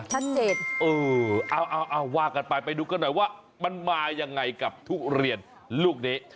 เออเอาเอาว่ากันไปไปดูกันหน่อยว่ามันมายังไงกับทุเรียนลูกนี้